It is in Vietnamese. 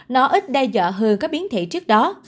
nó ít đe dọa hơn các biến thể trước đó